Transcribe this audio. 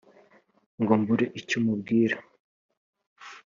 Ngo mbure icyo mubwira